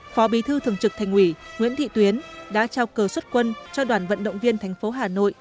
phó bí thư thường trực thành ủy nguyễn thị tuyến đã trao cờ xuất quân cho đoàn vận động viên tp hà nội